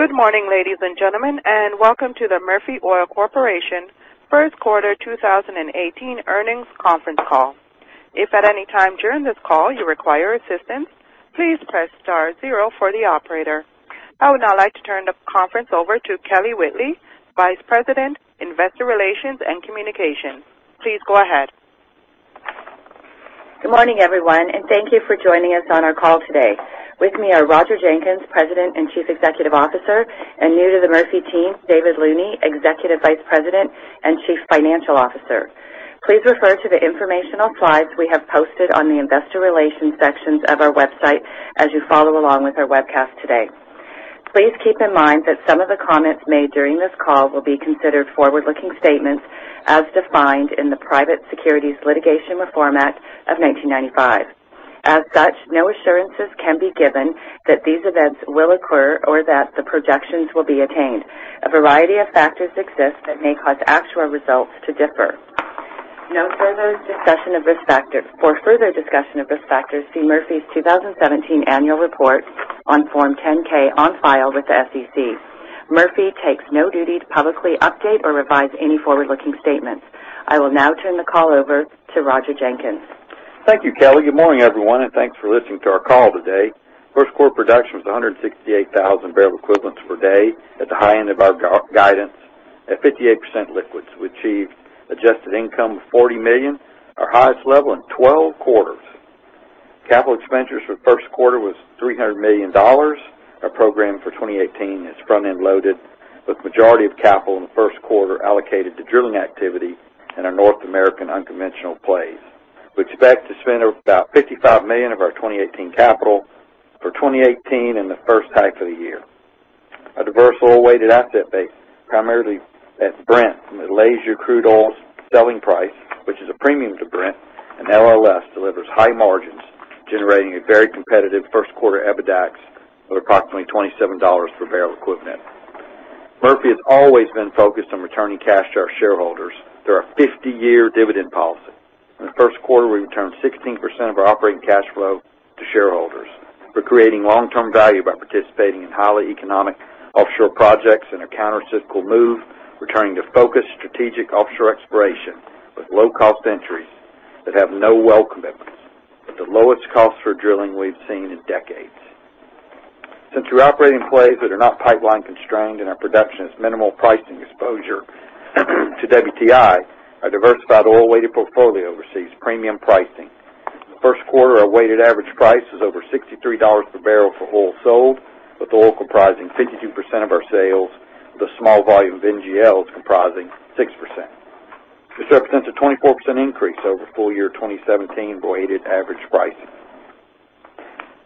Good morning, ladies and gentlemen. Welcome to the Murphy Oil Corporation first quarter 2018 earnings conference call. If at any time during this call you require assistance, please press star zero for the operator. I would now like to turn the conference over to Kelly Whitley, Vice President, Investor Relations and Communications. Please go ahead. Good morning, everyone. Thank you for joining us on our call today. With me are Roger Jenkins, President and Chief Executive Officer, and new to the Murphy team, David Looney, Executive Vice President and Chief Financial Officer. Please refer to the informational slides we have posted on the investor relations sections of our website as you follow along with our webcast today. Please keep in mind that some of the comments made during this call will be considered forward-looking statements as defined in the Private Securities Litigation Reform Act of 1995. No assurances can be given that these events will occur or that the projections will be attained. A variety of factors exist that may cause actual results to differ. For further discussion of risk factors, see Murphy's 2017 annual report on Form 10-K on file with the SEC. Murphy takes no duty to publicly update or revise any forward-looking statements. I will now turn the call over to Roger Jenkins. Thank you, Kelly. Good morning, everyone. Thanks for listening to our call today. First quarter production was 168,000 barrel equivalents per day at the high end of our guidance at 58% liquids. We achieved adjusted income of $40 million, our highest level in 12 quarters. Capital expenditures for first quarter was $300 million. Our program for 2018 is front-end loaded, with majority of capital in the first quarter allocated to drilling activity in our North American unconventional plays. We expect to spend about $55 million of our 2018 capital for 2018 in the first half of the year. Our diverse oil-weighted asset base primarily sets Brent from the Malaysia crude oil selling price, which is a premium to Brent, and LLS delivers high margins, generating a very competitive first quarter EBITDAX of approximately $27 per barrel equivalent. Murphy has always been focused on returning cash to our shareholders through our 50-year dividend policy. In the first quarter, we returned 16% of our operating cash flow to shareholders. We're creating long-term value by participating in highly economic offshore projects in a counter-cyclical move, returning to focused strategic offshore exploration with low cost entries that have no well commitments at the lowest cost for drilling we've seen in decades. Since we're operating plays that are not pipeline constrained and our production has minimal pricing exposure to WTI, our diversified oil-weighted portfolio receives premium pricing. In the first quarter, our weighted average price was over $63 per barrel for oil sold, with oil comprising 52% of our sales, with a small volume of NGLs comprising 6%. This represents a 24% increase over full year 2017 weighted average pricing.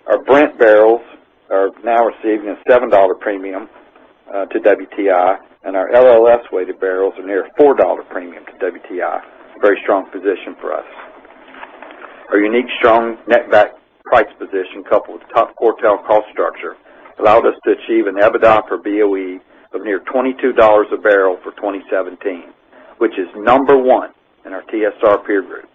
Our Brent barrels are now receiving a $7 premium to WTI, and our LLS-weighted barrels are near a $4 premium to WTI. A very strong position for us. Our unique strong netback price position, coupled with top quartile cost structure, allowed us to achieve an EBITDA for BOE of near $22 a barrel for 2017, which is number one in our TSR peer group.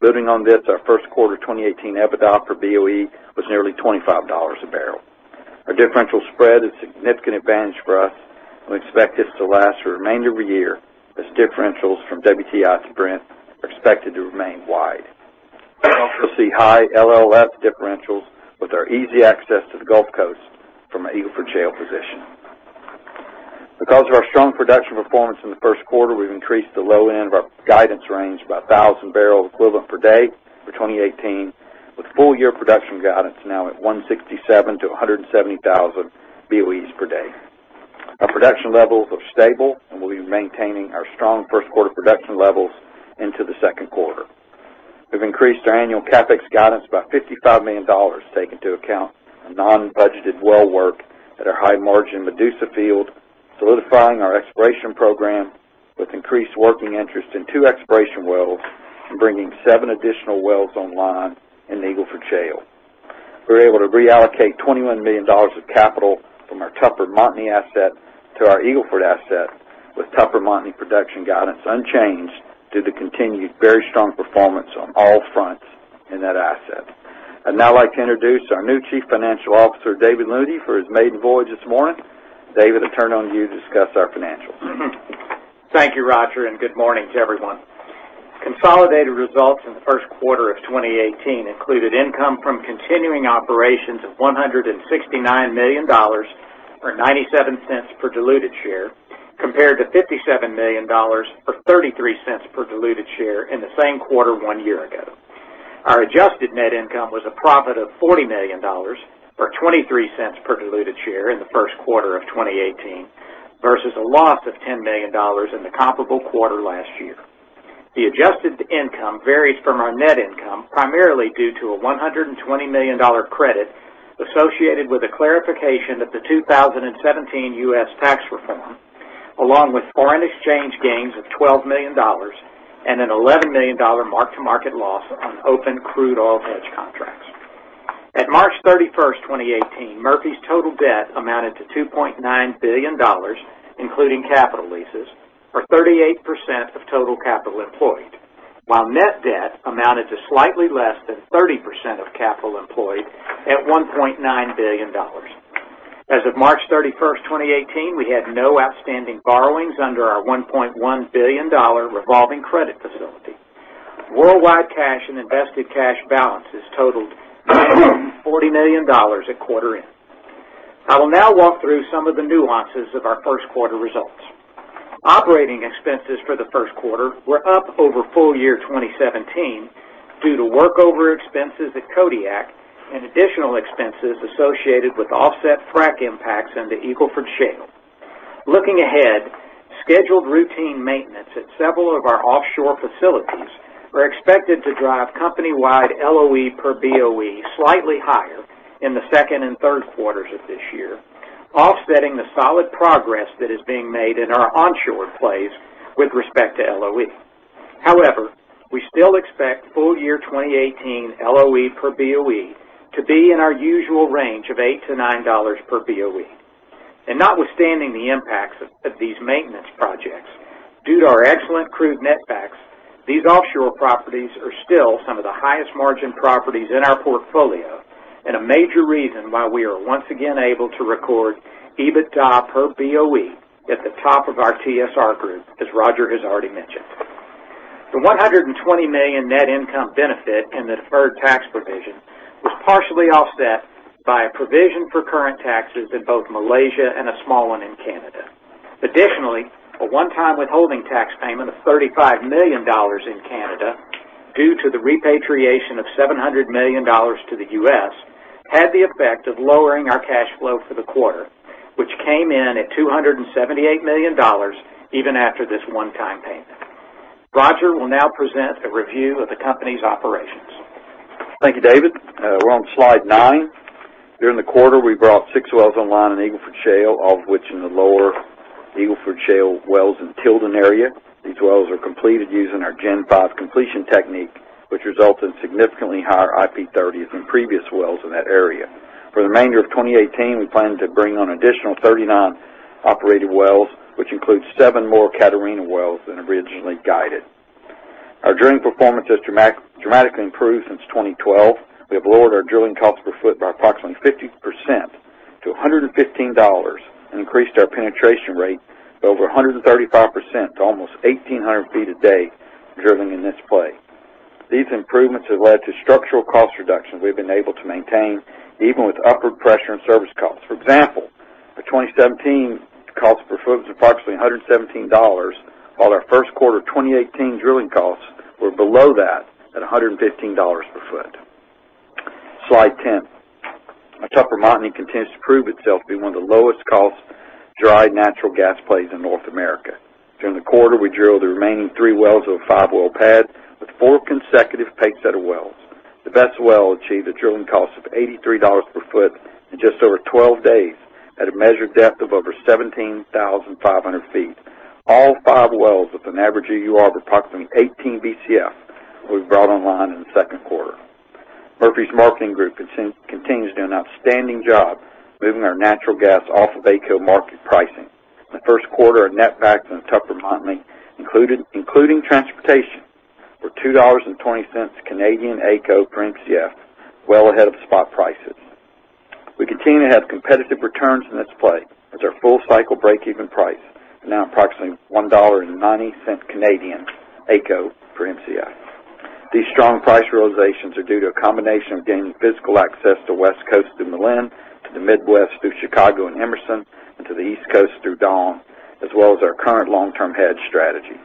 Building on this, our first quarter 2018 EBITDA for BOE was nearly $25 a barrel. Our differential spread is a significant advantage for us, and we expect this to last for the remainder of the year as differentials from WTI to Brent are expected to remain wide. We also see high LLS differentials with our easy access to the Gulf Coast from our Eagle Ford Shale position. Because of our strong production performance in the first quarter, we've increased the low end of our guidance range by 1,000 barrel equivalent per day for 2018, with full year production guidance now at 167-170,000 BOEs per day. Our production levels are stable, and we'll be maintaining our strong first quarter production levels into the second quarter. We've increased our annual CapEx guidance by $55 million, taking into account a non-budgeted well work at our high margin Medusa field, solidifying our exploration program with increased working interest in two exploration wells and bringing seven additional wells online in the Eagle Ford Shale. We were able to reallocate $21 million of capital from our Tupper Montney asset to our Eagle Ford asset, with Tupper Montney production guidance unchanged due to continued very strong performance on all fronts in that asset. I'd now like to introduce our new Chief Financial Officer, David Lunney, for his maiden voyage this morning. David, I turn it on to you to discuss our financials. Thank you, Roger, and good morning to everyone. Consolidated results in the first quarter of 2018 included income from continuing operations of $169 million, or $0.97 per diluted share, compared to $57 million, or $0.33 per diluted share in the same quarter one year ago. Our adjusted net income was a profit of $40 million, or $0.23 per diluted share in the first quarter of 2018, versus a loss of $10 million in the comparable quarter last year. The adjusted income varies from our net income, primarily due to a $120 million credit associated with a clarification of the 2017 U.S. tax reform, along with foreign exchange gains of $12 million and an $11 million mark-to-market loss on open crude oil hedge contracts. At March 31st, 2018, Murphy's total debt amounted to $2.9 billion, including capital leases, or 38% of total capital employed. While net debt amounted to slightly less than 30% of capital employed at $1.9 billion. As of March 31st, 2018, we had no outstanding borrowings under our $1.1 billion revolving credit facility. Worldwide cash and invested cash balances totaled $40 million at quarter end. I will now walk through some of the nuances of our first quarter results. Operating expenses for the first quarter were up over full year 2017 due to workover expenses at Kodiak and additional expenses associated with offset frac impacts into Eagle Ford Shale. Looking ahead, scheduled routine maintenance at several of our offshore facilities are expected to drive company-wide LOE per BOE slightly higher in the second and third quarters of this year, offsetting the solid progress that is being made in our onshore plays with respect to LOE. We still expect full year 2018 LOE per BOE to be in our usual range of $8-$9 per BOE, and notwithstanding the impacts of these maintenance projects, due to our excellent crude netbacks, these offshore properties are still some of the highest margin properties in our portfolio and a major reason why we are once again able to record EBITDA per BOE at the top of our TSR group, as Roger has already mentioned. The $120 million net income benefit in deferred tax provision was partially offset by a provision for current taxes in both Malaysia and a small one in Canada. A one-time withholding tax payment of $35 million in Canada due to the repatriation of $700 million to the U.S. had the effect of lowering our cash flow for the quarter, which came in at $278 million even after this one-time payment. Roger will now present a review of the company's operations. Thank you, David. We're on slide nine. During the quarter, we brought six wells online in Eagle Ford Shale, all of which in the lower Eagle Ford Shale wells in Tilden area. These wells are completed using our Gen 5 completion technique, which results in significantly higher IP30 rates than previous wells in that area. For the remainder of 2018, we plan to bring on additional 39 operated wells, which includes seven more Catarina wells than originally guided. Our drilling performance has dramatically improved since 2012. We have lowered our drilling cost per foot by approximately 50% to $115, and increased our penetration rate by over 135% to almost 1,800 feet a day drilling in this play. These improvements have led to structural cost reductions we've been able to maintain even with upward pressure and service costs. For example, the 2017 cost per foot was approximately $117, while our first quarter 2018 drilling costs were below that at $115 per foot. Slide 10. Our Tupper Montney continues to prove itself to be one of the lowest cost dry natural gas plays in North America. During the quarter, we drilled the remaining three wells of a five-well pad with four consecutive pace setter wells. The best well achieved a drilling cost of $83 per foot in just over 12 days at a measured depth of over 17,500 feet. All five wells with an average EUR of approximately 18 Bcf were brought online in the second quarter. Murphy's marketing group continues to do an outstanding job moving our natural gas off of AECO market pricing. In the first quarter, our netbacks in Tupper Montney, including transportation, were 2.20 Canadian dollars AECO per Mcf, well ahead of spot prices. We continue to have competitive returns in this play with our full cycle breakeven price now approximately 1.90 Canadian dollars AECO per Mcf. These strong price realizations are due to a combination of gaining physical access to West Coast through Milan, to the Midwest through Chicago and Emerson, and to the East Coast through Dawn, as well as our current long-term hedge strategy.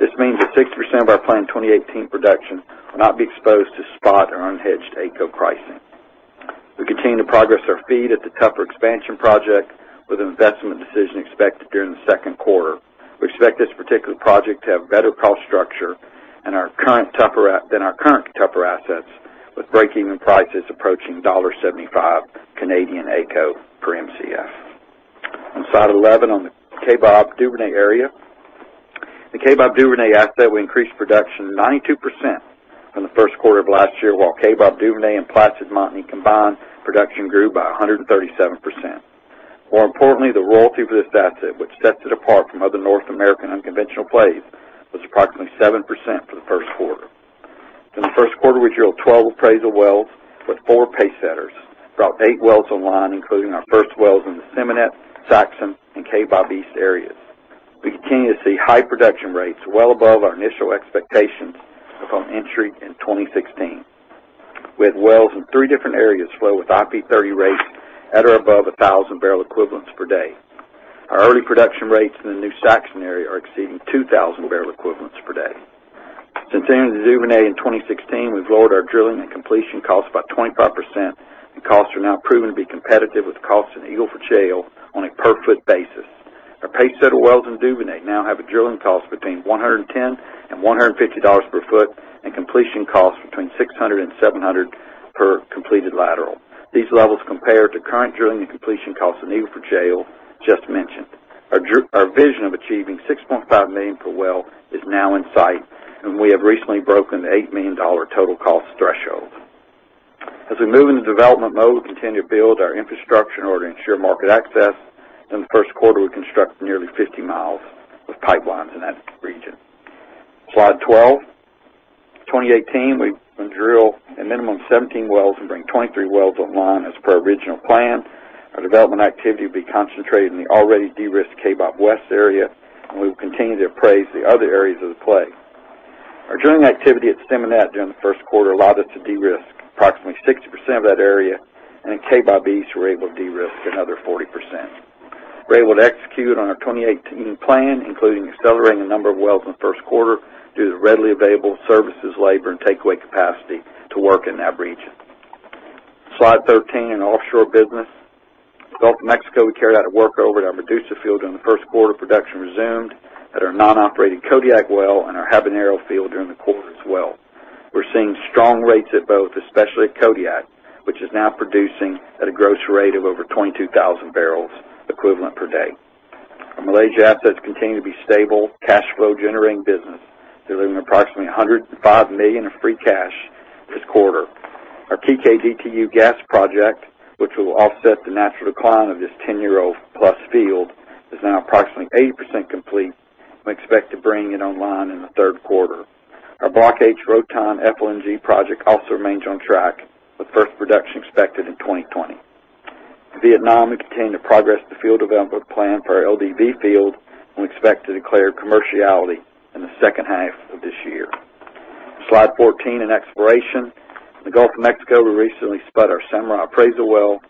This means that 60% of our planned 2018 production will not be exposed to spot or unhedged AECO pricing. We continue to progress our feed at the Tupper expansion project with an investment decision expected during the second quarter. We expect this particular project to have better cost structure than our current Tupper assets, with breakeven prices approaching 1.75 Canadian dollars AECO per Mcf. On slide 11, on the Kaybob Duvernay area. The Kaybob Duvernay asset will increase production 92% from the first quarter of last year, while Kaybob Duvernay and Placid Montney combined production grew by 137%. More importantly, the royalty for this asset, which sets it apart from other North American unconventional plays, was approximately 7% for the first quarter. During the first quarter, we drilled 12 appraisal wells with four pace setters, brought eight wells online, including our first wells in the Seminat, Saxon, and Kaybob East areas. We continue to see high production rates well above our initial expectations upon entry in 2016. We had wells in three different areas flow with IP30 rates at or above 1,000 barrel equivalents per day. Our early production rates in the new Saxon area are exceeding 2,000 barrel equivalents per day. Since entering into Duvernay in 2016, we've lowered our drilling and completion costs by 25%. Costs are now proven to be competitive with costs in Eagle Ford Shale on a per foot basis. Our pace setter wells in Duvernay now have a drilling cost between $110 and $150 per foot and completion costs between $600 and $700 per completed lateral. These levels compare to current drilling and completion costs in Eagle Ford Shale just mentioned. Our vision of achieving $6.5 million per well is now in sight, and we have recently broken the $8 million total cost threshold. As we move into development mode, we continue to build our infrastructure in order to ensure market access. In the first quarter, we constructed nearly 50 mi of pipelines in that region. Slide 12. In 2018, we drill a minimum of 17 wells and bring 23 wells online as per original plan. Our development activity will be concentrated in the already de-risked Kaybob West area, and we will continue to appraise the other areas of the play. Our drilling activity at Seminat during the first quarter allowed us to de-risk approximately 60% of that area. At Kaybob East, we were able to de-risk another 40%. We're able to execute on our 2018 plan, including accelerating a number of wells in the first quarter, due to the readily available services, labor, and takeaway capacity to work in that region. Slide 13. In offshore business, in the Gulf of Mexico, we carried out a workover at our Medusa field during the first quarter. Production resumed at our non-operating Kodiak well and our Habanero field during the quarter as well. We're seeing strong rates at both, especially at Kodiak, which is now producing at a gross rate of over 22,000 barrels equivalent per day. Our Malaysia assets continue to be stable, cash flow generating business, delivering approximately $105 million of free cash this quarter. Our PKDTU gas project, which will offset the natural decline of this 10-year-old plus field, is now approximately 80% complete. We expect to bring it online in the third quarter. Our Block H Rotan FLNG project also remains on track, with first production expected in 2020. In Vietnam, we continue to progress the field development plan for our Lac Da Vang field, and we expect to declare commerciality in the second half of this year. Slide 14. In exploration, in the Gulf of Mexico, we recently spud our Samurai appraisal well,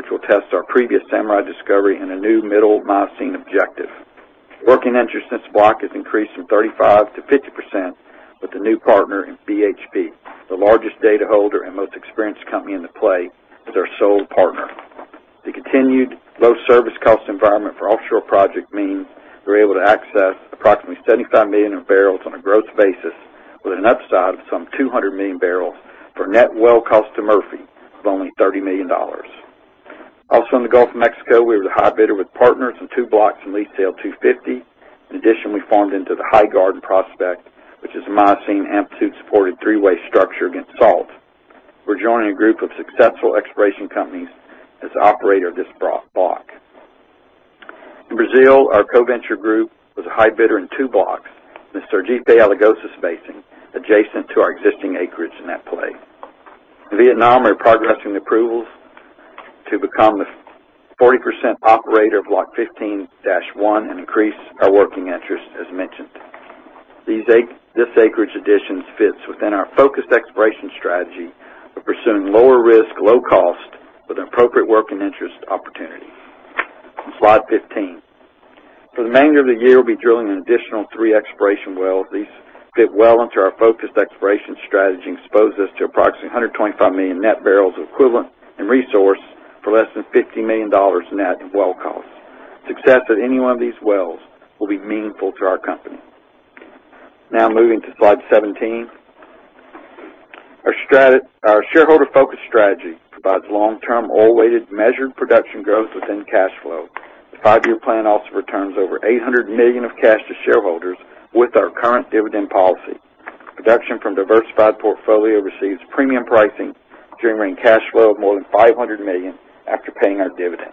which will test our previous Samurai discovery in a new middle Miocene objective. Working interest in this block has increased from 35%-50% with the new partner in BHP, the largest data holder and most experienced company in the play as our sole partner. The continued low service cost environment for offshore project means we're able to access approximately 75 million of barrels on a gross basis with an upside of some 200 million barrels for net well cost to Murphy of only $30 million. Also in the Gulf of Mexico, we were the high bidder with partners in two blocks in Lease Sale 250. In addition, we farmed into the High Garden prospect, which is a Miocene amplitude-supported three-way structure against salt. We're joining a group of successful exploration companies as the operator of this block. In Brazil, our co-venture group was a high bidder in two blocks in the Sergipe-Alagoas Basin, adjacent to our existing acreage in that play. In Vietnam, we're progressing approvals to become the 40% operator of Block 15-01 and increase our working interest, as mentioned. This acreage addition fits within our focused exploration strategy of pursuing lower risk, low cost with an appropriate working interest opportunity. On slide 15. For the remainder of the year, we'll be drilling an additional three exploration wells. These fit well into our focused exploration strategy and expose us to approximately 125 million net barrels equivalent in resource for less than $50 million net in well costs. Success at any one of these wells will be meaningful to our company. Moving to slide 17. Our shareholder-focused strategy provides long-term, oil-weighted, measured production growth within cash flow. The five-year plan also returns over $800 million of cash to shareholders with our current dividend policy. Production from diversified portfolio receives premium pricing, generating cash flow of more than $500 million after paying our dividend.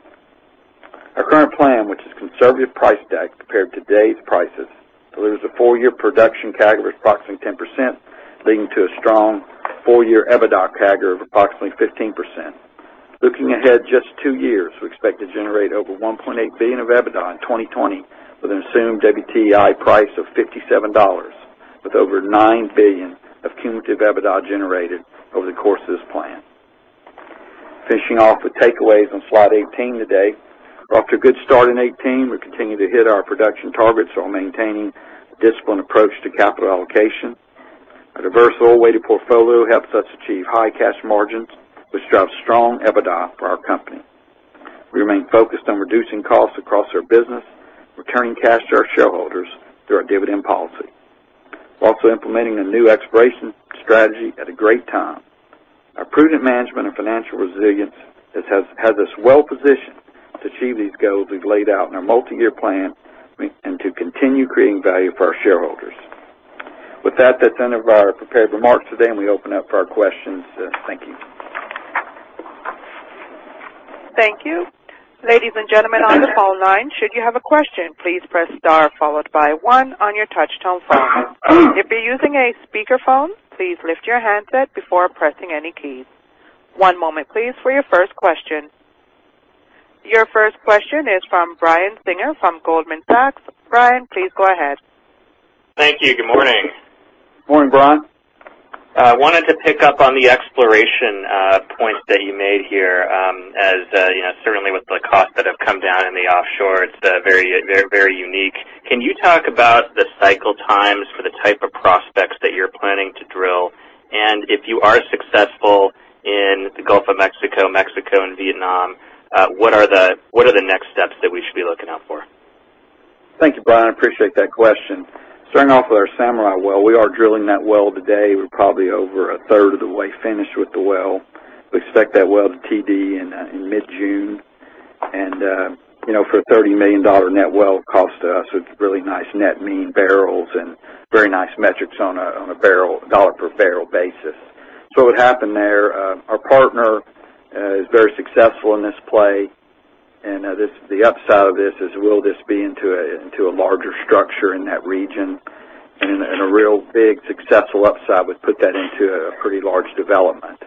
Our current plan, which is conservative price deck compared to today's prices, delivers a four-year production CAGR of approximately 10%, leading to a strong four-year EBITDA CAGR of approximately 15%. Looking ahead just two years, we expect to generate over $1.8 billion of EBITDA in 2020 with an assumed WTI price of $57, with over $9 billion of cumulative EBITDA generated over the course of this plan. Finishing off with takeaways on slide 18 today. We're off to a good start in 2018. We're continuing to hit our production targets while maintaining a disciplined approach to capital allocation. Our diverse oil weighted portfolio helps us achieve high cash margins, which drives strong EBITDA for our company. We remain focused on reducing costs across our business, returning cash to our shareholders through our dividend policy. We're also implementing a new exploration strategy at a great time. Our prudent management and financial resilience has us well-positioned to achieve these goals we've laid out in our multi-year plan and to continue creating value for our shareholders. With that's the end of our prepared remarks today. We open up for our questions. Thank you. Thank you. Ladies and gentlemen on the phone line, should you have a question, please press star followed by one on your touch-tone phone. If you're using a speakerphone, please lift your handset before pressing any keys. One moment, please, for your first question. Your first question is from Brian Singer from Goldman Sachs. Brian, please go ahead. Thank you. Good morning. Morning, Brian. I wanted to pick up on the exploration point that you made here. As certainly with the costs that have come down in the offshore, it's very unique. Can you talk about the cycle times for the type of prospects that you're planning to drill? If you are successful in the Gulf of Mexico and Vietnam, what are the next steps that we should be looking out for? Thank you, Brian. I appreciate that question. Starting off with our Samurai well, we are drilling that well today. We're probably over a third of the way finished with the well. We expect that well to TD in mid-June. For a $30 million net well cost to us, it's really nice net mean barrels and very nice metrics on a dollar per barrel basis. What happened there, our partner is very successful in this play, the upside of this is, will this be into a larger structure in that region? A real big successful upside would put that into a pretty large development.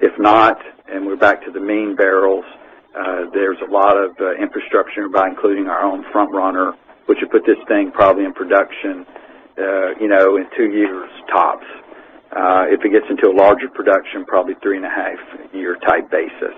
If not, we're back to the mean barrels, there's a lot of infrastructure nearby, including our own Front Runner, which would put this thing probably in production in two years, tops. If it gets into a larger production, probably three and a half year type basis.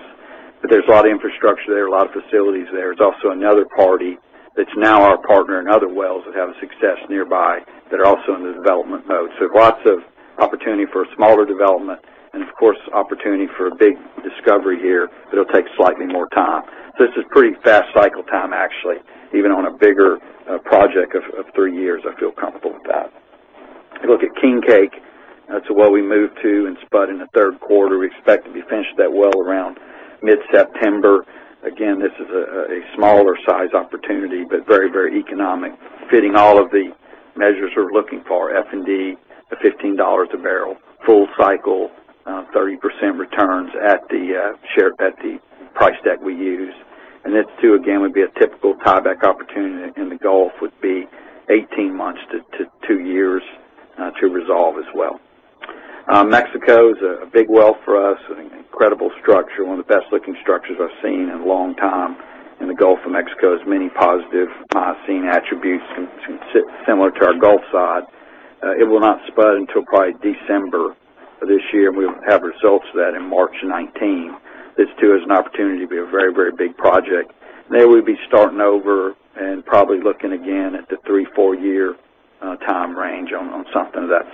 There's a lot of infrastructure there, a lot of facilities there. There's also another party that's now our partner in other wells that have a success nearby, that are also in the development mode. Lots of opportunity for a smaller development and, of course, opportunity for a big discovery here, but it'll take slightly more time. This is pretty fast cycle time, actually, even on a bigger project of 3 years. I feel comfortable with that. Look at King Cake. That's a well we moved to and spud in the third quarter. We expect to be finished that well around mid-September. Again, this is a smaller size opportunity, but very economic, fitting all of the measures we're looking for. F&D, the $15 a barrel, full cycle, 30% returns at the price that we use. This, too, again, would be a typical tieback opportunity in the Gulf, would be 18 months to two years to resolve as well. Mexico is a big well for us, an incredible structure, one of the best looking structures I've seen in a long time in the Gulf of Mexico. Has many positive seismic attributes, and similar to our Gulf side. It will not spud until probably December of this year, and we'll have results of that in March 2019. This, too, is an opportunity to be a very big project. There, we'd be starting over and probably looking again at the three, four-year time range on something of that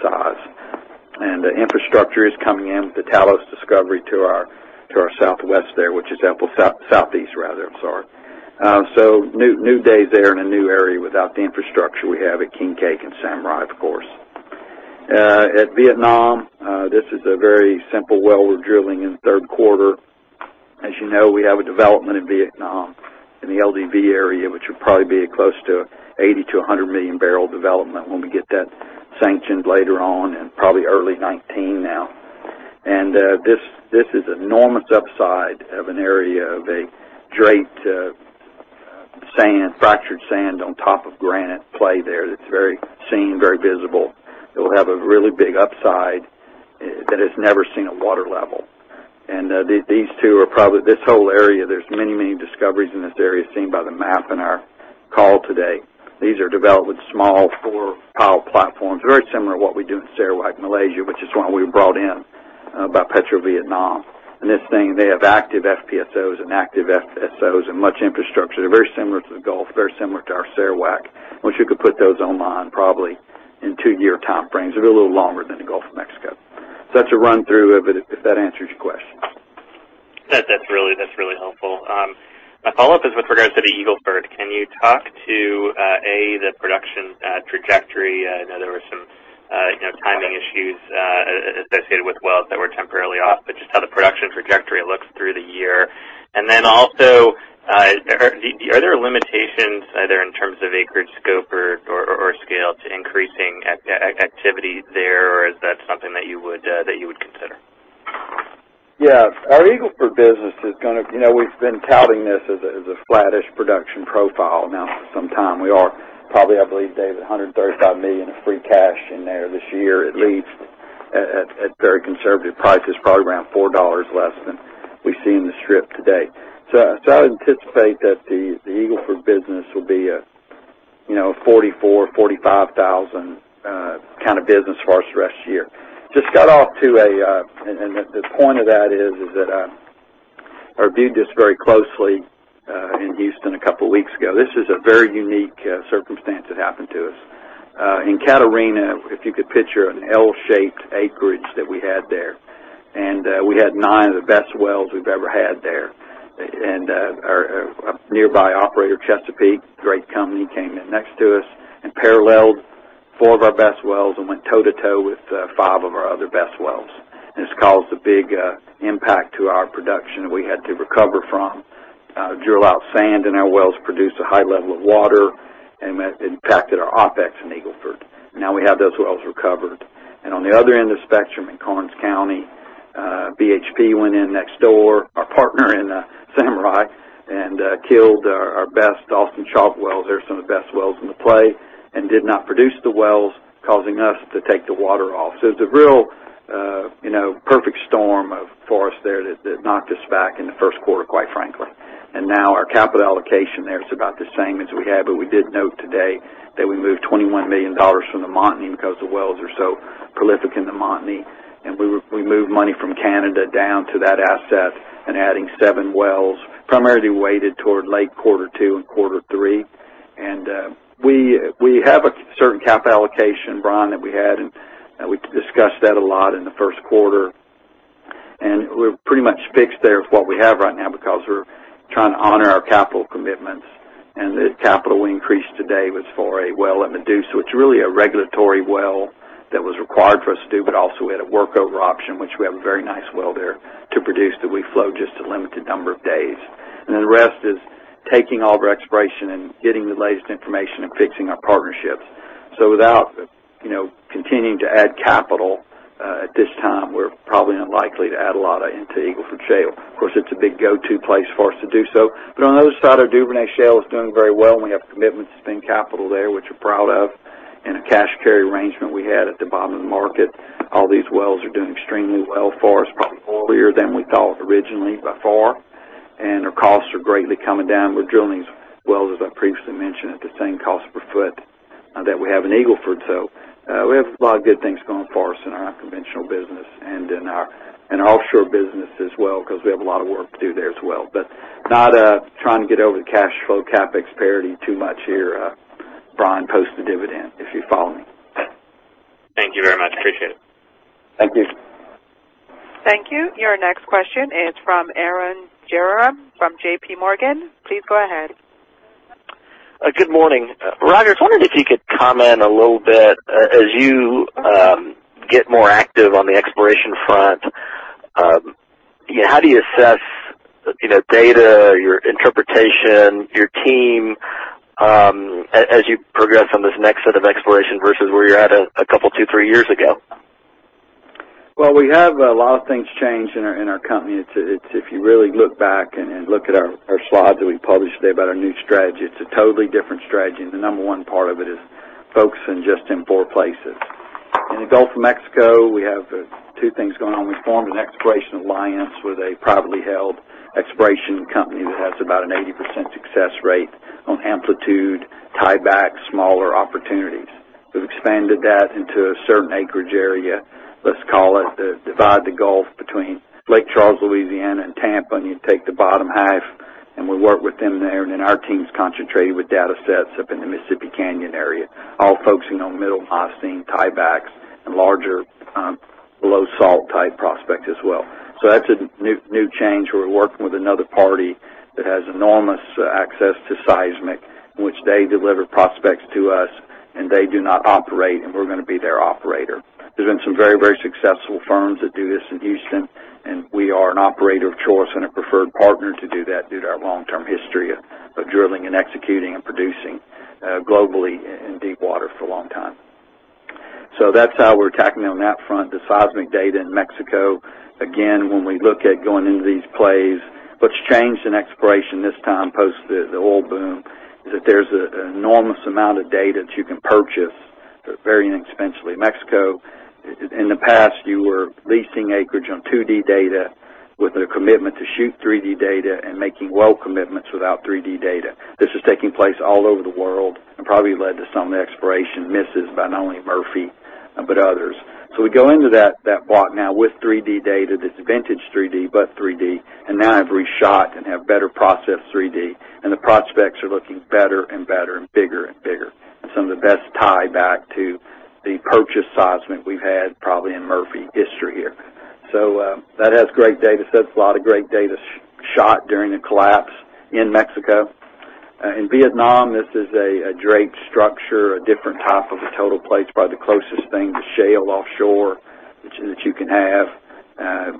size. The infrastructure is coming in with the Talos discovery to our southwest there, which is Southeast rather. I'm sorry. New days there in a new area without the infrastructure we have at King Cake and Samurai, of course. At Vietnam, this is a very simple well we're drilling in the third quarter. As you know, we have a development in Vietnam in the LDV area, which will probably be close to 80 million to 100 million barrel development when we get that sanctioned later on in probably early 2019 now. This is enormous upside of an area of a draped sand, fractured sand on top of granite play there, that's very seismic, very visible. It'll have a really big upside that has never seen a water level. These two are probably This whole area, there's many discoveries in this area, seen by the map in our call today. These are developed with small four-pile platforms, very similar to what we do in Sarawak, Malaysia, which is why we were brought in by PetroVietnam. In this thing, they have active FPSOs and active FSOs and much infrastructure. They're very similar to the Gulf, very similar to our Sarawak. Once you could put those online, probably in two-year time frames. They'll be a little longer than the Gulf of Mexico. That's a run through of it, if that answers your question. That's really helpful. My follow-up is with regards to the Eagle Ford. Can you talk to, A, the production trajectory? I know there were some timing issues associated with wells that were temporarily off, but just how the production trajectory looks through the year. Then also, are there limitations either in terms of acreage, scope, or scale to increasing activity there, or is that something that you would consider? We've been touting this as a flattish production profile now for some time. We are probably, I believe, David, $135 million of free cash in there this year, at least, at very conservative prices, probably around $4 less than we see in the strip today. I would anticipate that the Eagle Ford business will be a 44,000, 45,000 kind of business for us the rest of the year. The point of that is that I reviewed this very closely in Houston a couple of weeks ago. This is a very unique circumstance that happened to us. In Catarina, if you could picture an L-shaped acreage that we had there, and we had nine of the best wells we've ever had there. A nearby operator, Chesapeake, great company, came in next to us and paralleled four of our best wells and went toe to toe with five of our other best wells. This caused a big impact to our production we had to recover from. Drilled out sand in our wells, produced a high level of water, and impacted our OpEx in Eagle Ford. Now we have those wells recovered. On the other end of the spectrum in Karnes County, BHP went in next door, our partner in Samurai, and killed our best Austin Chalk wells. They're some of the best wells in the play and did not produce the wells, causing us to take the water off. It's a real perfect storm for us there that knocked us back in the first quarter, quite frankly. Now our capital allocation there is about the same as we had. We did note today that we moved $21 million from the Montney because the wells are so prolific in the Montney. We moved money from Canada down to that asset and adding seven wells, primarily weighted toward late quarter two and quarter three. We have a certain cap allocation, Brian, that we had, and we discussed that a lot in the first quarter. We're pretty much fixed there with what we have right now because we're trying to honor our capital commitments. The capital we increased today was for a well at Medusa, which really a regulatory well that was required for us to do, but also we had a workover option, which we have a very nice well there to produce that we flow just a limited number of days. The rest is taking all of our exploration and getting the latest information and fixing our partnerships. Without continuing to add capital, at this time, we're probably unlikely to add a lot into Eagle Ford Shale. Of course, it's a big go-to place for us to do so. On the other side, our Duvernay Shale is doing very well, and we have commitments to spend capital there, which we're proud of, and a cash carry arrangement we had at the bottom of the market. All these wells are doing extremely well for us, probably earlier than we thought originally, by far. Our costs are greatly coming down. We're drilling these wells, as I previously mentioned, at the same cost per foot that we have in Eagle Ford. We have a lot of good things going for us in our unconventional business and in our offshore business as well, because we have a lot of work to do there as well. Not trying to get over the cash flow CapEx parity too much here, Brian, post the dividend, if you follow me. Thank you very much. Appreciate it. Thank you. Thank you. Your next question is from Arun Jayaram from JPMorgan. Please go ahead. Good morning. Roger, I was wondering if you could comment a little bit, as you get more active on the exploration front, how do you assess data, your interpretation, your team, as you progress on this next set of exploration versus where you're at a couple, two, three years ago? We have a lot of things changed in our company. If you really look back and look at our slides that we published today about our new strategy, it's a totally different strategy, and the number one part of it is focusing just in four places. In the Gulf of Mexico, we have two things going on. We formed an exploration alliance with a privately held exploration company that has about an 80% success rate on amplitude tieback smaller opportunities. We've expanded that into a certain acreage area. Let's call it, divide the Gulf between Lake Charles, Louisiana, and Tampa, and you take the bottom half, and we work with them there. Our team's concentrated with data sets up in the Mississippi Canyon area, all focusing on middle Miocene tiebacks and larger low salt type prospects as well. That's a new change. We're working with another party that has enormous access to seismic, in which they deliver prospects to us, and they do not operate, and we're going to be their operator. There's been some very successful firms that do this in Houston, and we are an operator of choice and a preferred partner to do that due to our long-term history of drilling and executing and producing globally in deep water for a long time. That's how we're attacking on that front, the seismic data in Mexico. Again, when we look at going into these plays, what's changed in exploration this time, post the oil boom, is that there's an enormous amount of data that you can purchase very inexpensively. Mexico, in the past, you were leasing acreage on 2D data with a commitment to shoot 3D data and making well commitments without 3D data. This was taking place all over the world and probably led to some of the exploration misses by not only Murphy but others. We go into that block now with 3D data. This is vintage 3D, but 3D, and now I've reshot and have better processed 3D, and the prospects are looking better and better and bigger and bigger. Some of the best tieback to the purchase seismic we've had probably in Murphy history here. That has great data sets. A lot of great data shot during the collapse in Mexico. In Vietnam, this is a drape structure, a different type of a total place, probably the closest thing to shale offshore that you can have.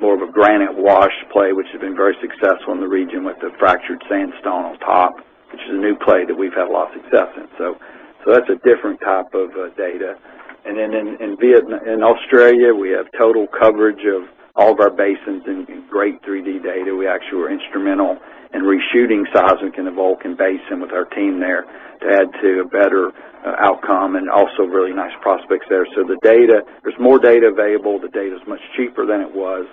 More of a granite wash play, which has been very successful in the region with the fractured sandstone on top, which is a new play that we've had a lot of success in. That's a different type of data. In Australia, we have total coverage of all of our basins and great 3D data. We actually were instrumental in reshooting seismic in the Vulcan Basin with our team there to add to a better outcome and also really nice prospects there. There's more data available. The data's much cheaper than it was.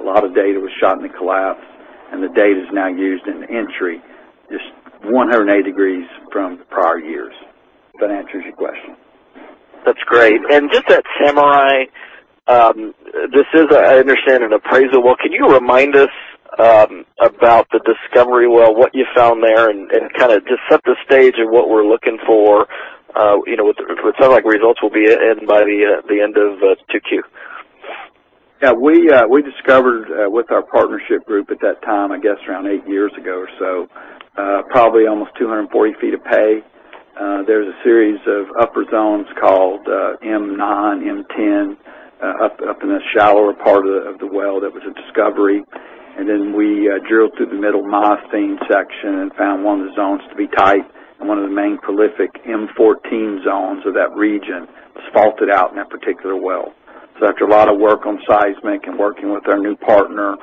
A lot of data was shot in the collapse, and the data is now used in the entry, just 180 degrees from the prior years, if that answers your question. That's great. Just at Samurai, this is, I understand, an appraisal well. Can you remind us about the discovery well, what you found there, and just set the stage of what we're looking for? It sounds like results will be in by the end of 2Q. Yeah. We discovered, with our partnership group at that time, I guess around eight years ago or so, probably almost 240 feet of pay. There's a series of upper zones called M9, M10, up in the shallower part of the well. That was a discovery. We drilled through the middle Miocene section and found one of the zones to be tight, and one of the main prolific M14 zones of that region was faulted out in that particular well. After a lot of work on seismic and working with our new partner,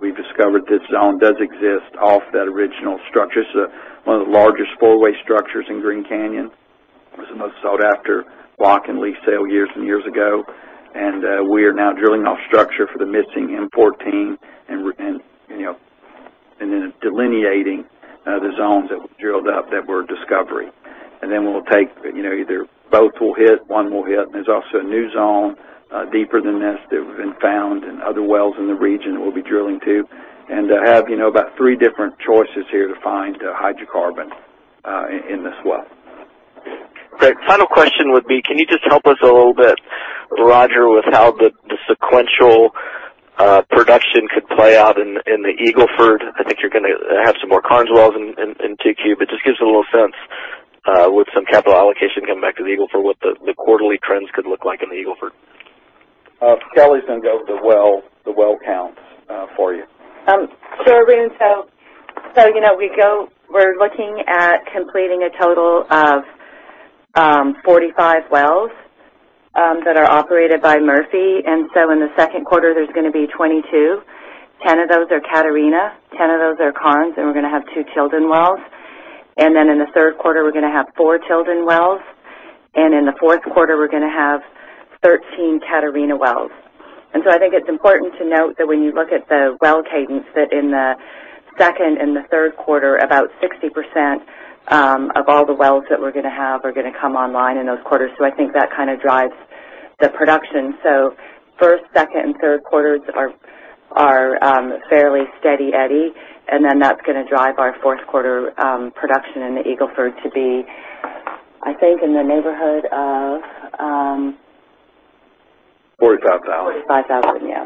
we've discovered this zone does exist off that original structure. This is one of the largest four-way structures in Green Canyon. It was the most sought-after block in lease sale years and years ago. We are now drilling off structure for the missing M14. Then delineating the zones that we've drilled up that were discovery. We'll take, either both will hit, one will hit, and there's also a new zone deeper than this that have been found in other wells in the region that we'll be drilling to and have about three different choices here to find hydrocarbon in this well. Great. Final question would be, can you just help us a little bit, Roger, with how the sequential production could play out in the Eagle Ford? I think you're going to have some more Karnes wells in 2Q, but just gives a little sense, with some capital allocation coming back to the Eagle Ford, what the quarterly trends could look like in the Eagle Ford. Kelly's going to go over the well counts for you. Sure, Arun. We're looking at completing a total of 45 wells that are operated by Murphy. In the second quarter, there's going to be 22. 10 of those are Catarina, 10 of those are Karnes, and we're going to have two Childress wells. In the third quarter, we're going to have four Childress wells. In the fourth quarter, we're going to have 13 Catarina wells. I think it's important to note that when you look at the well cadence, that in the second and the third quarter, about 60% of all the wells that we're going to have are going to come online in those quarters. I think that drives the production. First, second, and third quarters are fairly steady eddy, and then that's going to drive our fourth quarter production in the Eagle Ford. 45,000. 45,000. Yeah.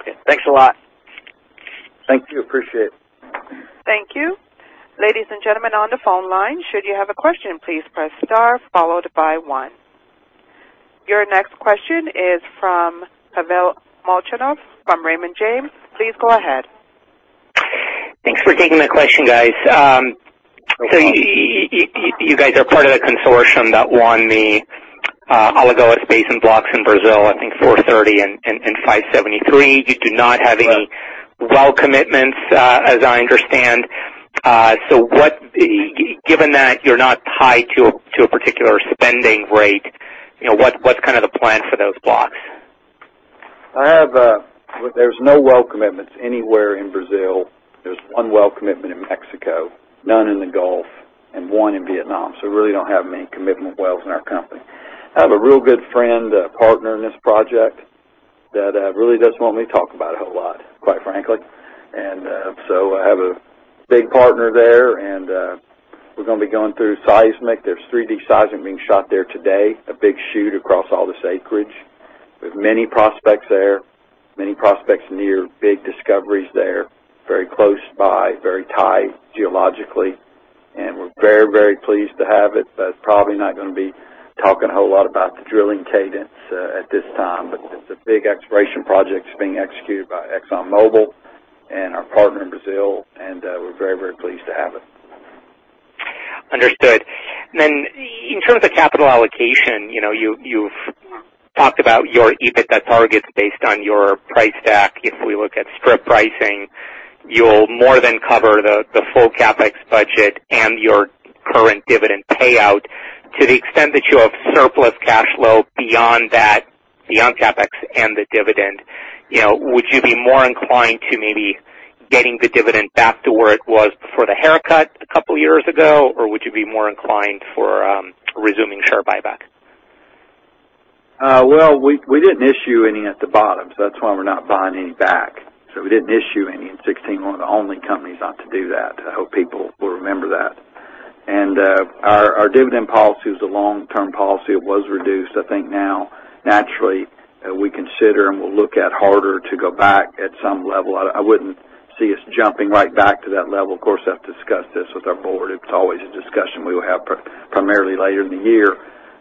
Okay, thanks a lot. Thank you. Appreciate it. Thank you. Ladies and gentlemen on the phone line, should you have a question, please press star followed by one. Your next question is from Pavel Molchanov from Raymond James. Please go ahead. Thanks for taking the question, guys. No problem. You guys are part of the consortium that won the Sergipe-Alagoas Basin blocks in Brazil, I think 430 and 573. You do not have any well commitments, as I understand. Given that you're not tied to a particular spending rate, what's the plan for those blocks? There's no well commitments anywhere in Brazil. There's one well commitment in Mexico, none in the Gulf, and one in Vietnam. Really don't have many commitment wells in our company. I have a real good friend, a partner in this project that really doesn't want me to talk about a whole lot, quite frankly. I have a big partner there, and we're going to be going through seismic. There's 3D seismic being shot there today, a big shoot across all this acreage. There's many prospects there, many prospects near big discoveries there, very close by, very tight geologically, and we're very pleased to have it. It's probably not going to be talking a whole lot about the drilling cadence at this time. It's a big exploration project. It's being executed by ExxonMobil and our partner in Brazil, and we're very pleased to have it. Understood. In terms of capital allocation, you've talked about your EBITDA targets based on your price deck. If we look at strip pricing, you'll more than cover the full CapEx budget and your current dividend payout. To the extent that you have surplus cash flow beyond CapEx and the dividend, would you be more inclined to maybe getting the dividend back to where it was before the haircut a couple of years ago, or would you be more inclined for resuming share buyback? Well, we didn't issue any at the bottom, that's why we're not buying any back. We didn't issue any in 2016. One of the only companies not to do that. I hope people will remember that. Our dividend policy was a long-term policy. It was reduced. I think now, naturally, we consider and will look at harder to go back at some level. I wouldn't see us jumping right back to that level. Of course, I have to discuss this with our board. It's always a discussion we will have primarily later in the year.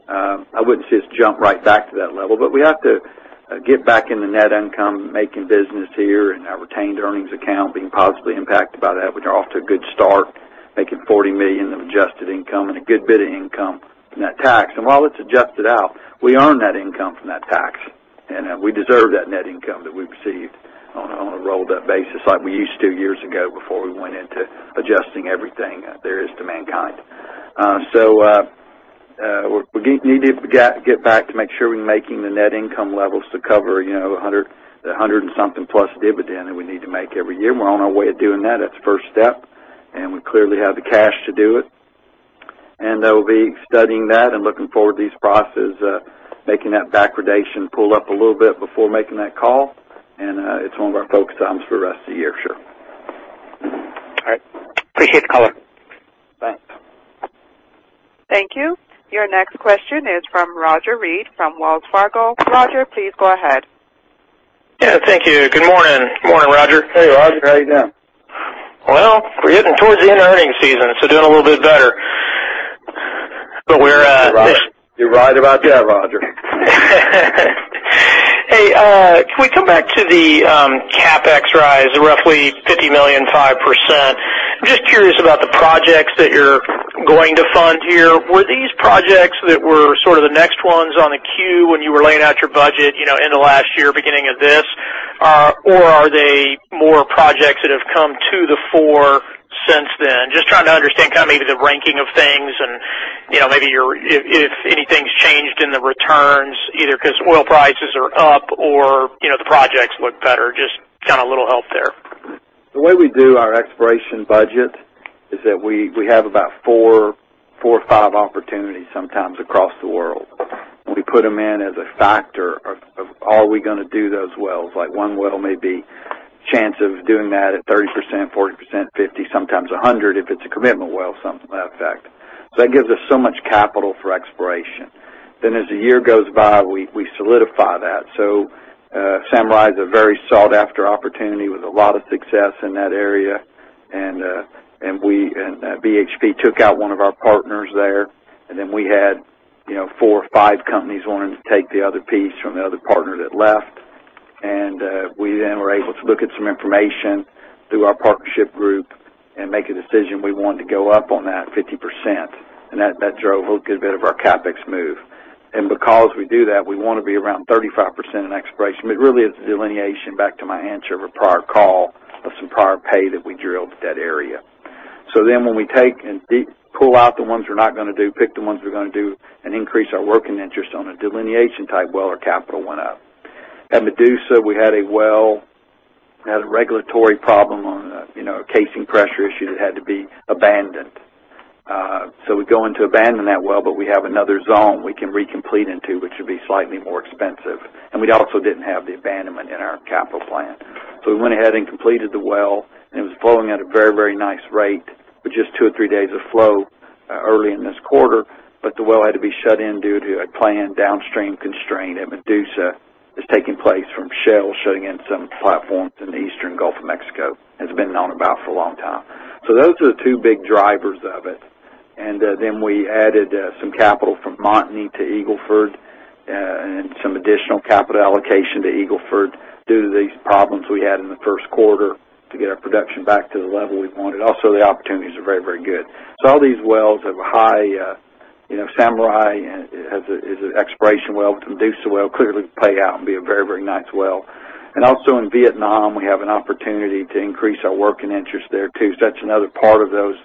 I wouldn't see us jump right back to that level. We have to get back into net income, making business here, and our retained earnings account being positively impacted by that. We're off to a good start, making $40 million of adjusted income, a good bit of income from that tax. While it's adjusted out, we earn that income from that tax, we deserve that net income that we've received on a rolled-up basis like we used to years ago before we went into adjusting everything there is to mankind. We need to get back to make sure we're making the net income levels to cover 100-something plus dividend that we need to make every year. We're on our way of doing that. That's the first step, we clearly have the cash to do it. They'll be studying that and looking forward to these processes, making that backwardation pull up a little bit before making that call. It's one of our focus items for the rest of the year, sure. All right. Appreciate the color. Thanks. Thank you. Your next question is from Roger Read from Wells Fargo. Roger, please go ahead. Yeah, thank you. Good morning. Good morning, Roger. Hey, Roger. How you doing? Well, we're getting towards the end of earnings season, so doing a little bit better. You're right about that, Roger. Hey, can we come back to the CapEx rise of roughly $50 million, 5%? I'm just curious about the projects that you're going to fund here. Were these projects that were sort of the next ones on the queue when you were laying out your budget end of last year, beginning of this? Are they more projects that have come to the fore since then? Just trying to understand maybe the ranking of things and maybe if anything's changed in the returns, either because oil prices are up or the projects look better. Just a little help there. The way we do our exploration budget is that we have about four or five opportunities sometimes across the world. We put them in as a factor of are we going to do those wells. One well may be chance of doing that at 30%, 40%, 50%, sometimes 100% if it's a commitment well, something to that effect. That gives us so much capital for exploration. As the year goes by, we solidify that. Samurai is a very sought-after opportunity with a lot of success in that area. BHP took out one of our partners there. We had four or five companies wanting to take the other piece from the other partner that left. We then were able to look at some information through our partnership group and make a decision. We wanted to go up on that 50%, and that drove a good bit of our CapEx move. Because we do that, we want to be around 35% in exploration, but it really is a delineation back to my answer of a prior call of some prior pay that we drilled at that area. When we take and pull out the ones we're not going to do, pick the ones we're going to do, and increase our working interest on a delineation-type well or capital one-up. At Medusa, we had a well that had a regulatory problem on a casing pressure issue that had to be abandoned. We go into abandon that well, but we have another zone we can re-complete into, which would be slightly more expensive. We also didn't have the abandonment in our capital plan. We went ahead and completed the well, and it was flowing at a very, very nice rate with just two or three days of flow early in this quarter. The well had to be shut in due to a planned downstream constraint at Medusa that's taking place from Shell shutting in some platforms in the Eastern Gulf of Mexico. That's been known about for a long time. Those are the two big drivers of it. We added some capital from Montney to Eagle Ford and some additional capital allocation to Eagle Ford due to these problems we had in the first quarter to get our production back to the level we wanted. The opportunities are very, very good. All these wells have a. Samurai is an exploration well. Medusa well, clearly play out and be a very, very nice well. Okay. Thanks for that. In Vietnam, we have an opportunity to increase our working interest there, too. That's another part of those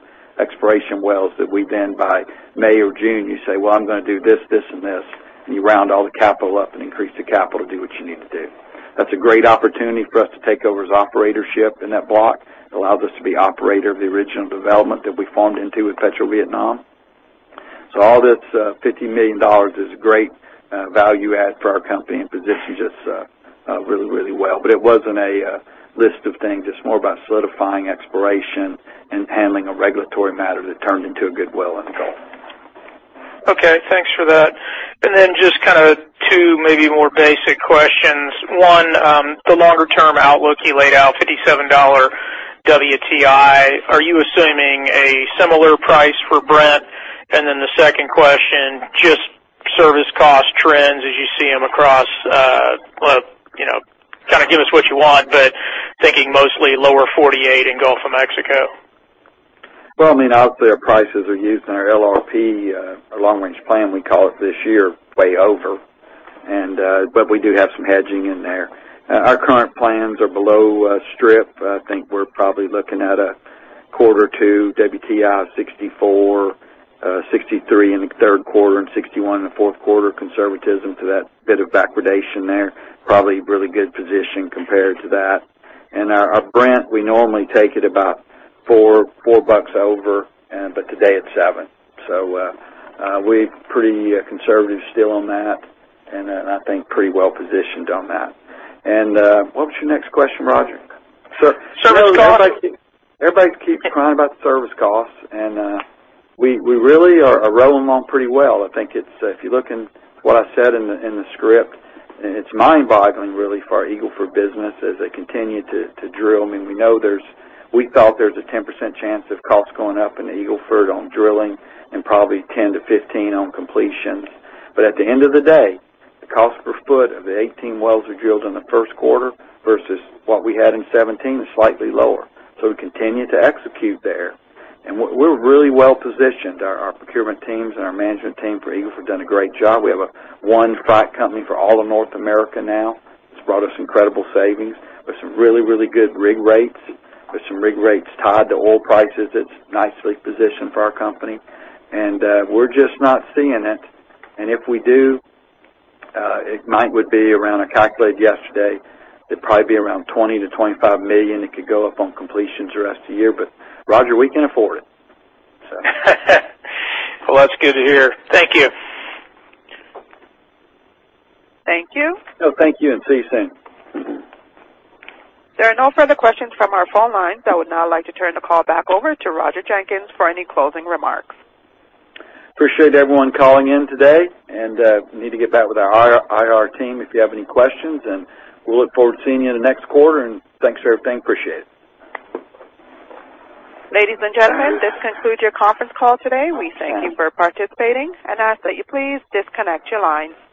exploration wells that we then, by May or June, you say, "I'm going to do this and this." You round all the capital up and increase the capital to do what you need to do. That's a great opportunity for us to take over as operatorship in that block. It allows us to be operator of the original development that we farmed into with PetroVietnam. All this, $50 million, is a great value add for our company and positions us really, really well. It wasn't a list of things. It's more about solidifying exploration and handling a regulatory matter that turned into a good well in the Gulf. Okay. Thanks for that. Just two, maybe more basic questions. One, the longer-term outlook you laid out, $57 WTI, are you assuming a similar price for Brent? The second question, just service cost trends as you see them across, give us what you want, but thinking mostly Lower 48 and Gulf of Mexico. Obviously, our prices are used in our LRP, our long-range plan, we call it this year, way over. We do have some hedging in there. Our current plans are below strip. I think we're probably looking at a quarter two WTI of $64, $63 in the third quarter, and $61 in the fourth quarter, conservatism to that bit of backwardation there. Probably a really good position compared to that. Our Brent, we normally take it about $4 over, but today it's $7. We're pretty conservative still on that, and I think pretty well positioned on that. What was your next question, Roger? Sure. Everybody keeps crying about the service costs. We really are rolling along pretty well. I think if you look in what I said in the script, it's mind-boggling, really, for our Eagle Ford business as they continue to drill. We felt there's a 10% chance of costs going up in the Eagle Ford on drilling and probably 10%-15% on completions. At the end of the day, the cost per foot of the 18 wells we drilled in the first quarter versus what we had in 2017 is slightly lower. We continue to execute there. We're really well positioned. Our procurement teams and our management team for Eagle Ford have done a great job. We have one frac company for all of North America now. It's brought us incredible savings with some really, really good rig rates, with some rig rates tied to oil prices. It's nicely positioned for our company. We're just not seeing it. If we do, it might would be around, I calculated yesterday, it'd probably be around $20 million-$25 million. It could go up on completions the rest of the year, Roger, we can afford it, so. Well, that's good to hear. Thank you. Thank you. No, thank you, and see you soon. There are no further questions from our phone lines. I would now like to turn the call back over to Roger Jenkins for any closing remarks. Appreciate everyone calling in today, and you need to get back with our IR team if you have any questions, and we'll look forward to seeing you in the next quarter. Thanks for everything. Appreciate it. Ladies and gentlemen, this concludes your conference call today. We thank you for participating and ask that you please disconnect your lines.